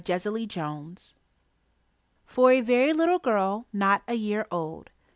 Sunshine For a Very Little Girl, Not a Year Old.